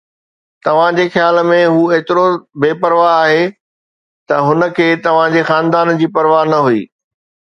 توهان جي خيال ۾، هو ايترو بي پرواهه آهي ته هن کي توهان جي خاندان جي پرواهه نه هئي